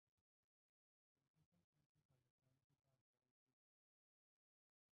Kulbhushan case में पाकिस्तान के पांच बड़े झूठ